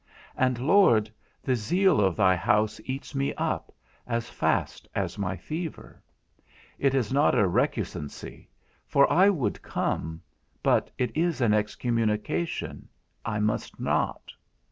And, Lord, the zeal of thy house eats me up, as fast as my fever; it is not a recusancy, for I would come, but it is an excommunication, I must not.